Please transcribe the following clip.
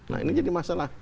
nah ini jadi masalah